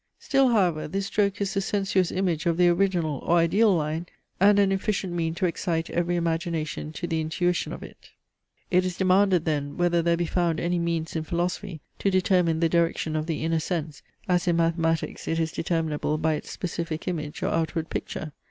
Still however this stroke is the sensuous image of the original or ideal line, and an efficient mean to excite every imagination to the intuition of it. It is demanded then, whether there be found any means in philosophy to determine the direction of the inner sense, as in mathematics it is determinable by its specific image or outward picture.